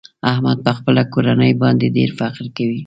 احمد په خپله کورنۍ باندې ډېر فخر کوي.